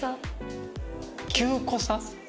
９個差？